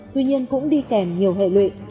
tuy nhiên cũng đi kèm nhiều hệ lụy